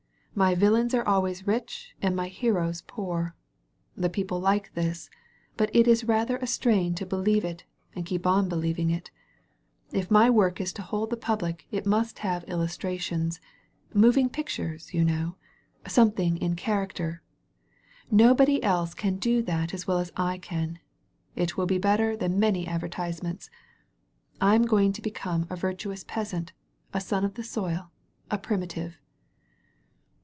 My villains are always rich and my heroes poor. The people like this; but it is rather a strain to believe it and keep on believing it. If my work is to hold the public it must have illus trations — moving pictures, you know! Something in character ! Nobody else can do that as well as I can. It will be better than many advertisements. I am going to become a virtuous peasant, a son of the soil, a primitive.